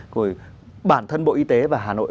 của bản thân bộ y tế và hà nội